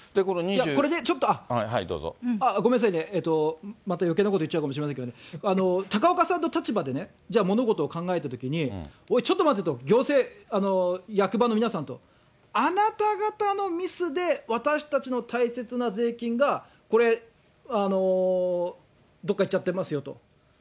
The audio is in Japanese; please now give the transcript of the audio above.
ちょっとあれ、ごめんなさいね、また余計なことを言っちゃうかもしれないけど、高岡さんの立場でね、物事を考えたときに、ちょっと待てと、行政、役場の皆さんと。あなた方のミスで、私たちの大切な税金が、これ、どっかいっちゃってますよと。